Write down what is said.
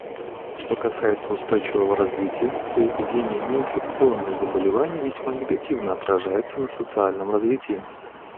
Что касается устойчивого развития, то эпидемия неинфекционных заболеваний весьма негативно отражается на социальном развитии.